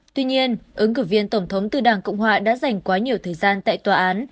tuy nhiên ứng cử viên tổng thống từ đảng cộng hòa đã dành quá nhiều thời gian tại tòa án